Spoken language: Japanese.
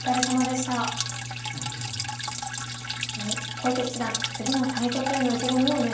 次の対局への意気込みをお願いいたします。